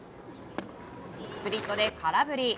スプリットで空振り。